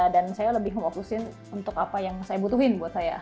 dan saya lebih memokusin untuk apa yang saya butuhin buat saya